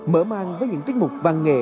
mở mang với những tiết mục văn nghệ